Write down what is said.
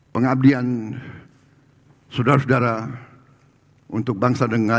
pengabdian saudara saudara untuk bangsa dan negara